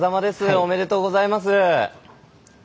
ありがとうございます。